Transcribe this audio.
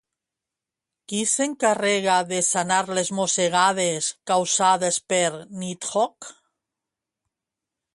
Qui s'encarrega de sanar les mossegades causades per Nidhogg?